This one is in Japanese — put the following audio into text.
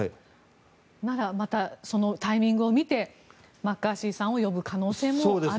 なら、またそのタイミングを見てマッカーシーさんを呼ぶ可能性もあると。